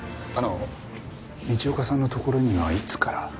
あの道岡さんのところにはいつから？